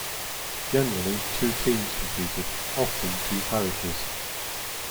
Generally two teams competed, often two parishes.